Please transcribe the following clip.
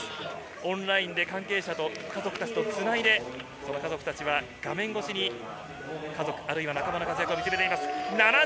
オンラインで関係者と、家族たちとつないで、家族たちは画面越しに仲間の活躍を見つめています。